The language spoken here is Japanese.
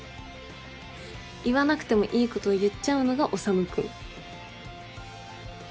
言わなくてもいいこと言っちゃうのが修君。